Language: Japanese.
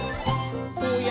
「おや？